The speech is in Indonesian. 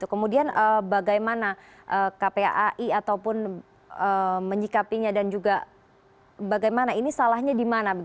kemudian bagaimana kpai ataupun menyikapinya dan juga bagaimana ini salahnya di mana